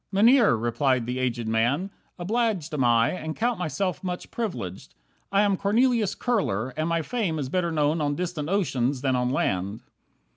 "Mynheer," replied the aged man, "obliged Am I, and count myself much privileged. I am Cornelius Kurler, and my fame Is better known on distant oceans than on land.